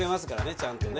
ちゃんとね。